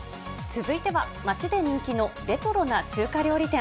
続いては、町で人気のレトロな中華料理店。